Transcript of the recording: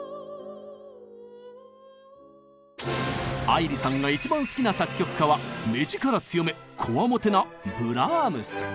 愛理さんが一番好きな作曲家は目力強めこわもてなブラームス。